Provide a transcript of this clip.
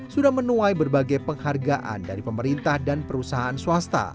sudah menuai berbagai penghargaan dari pemerintah dan perusahaan swasta